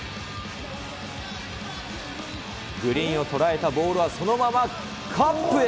グリーンを捉えたボールはそのままカップへ。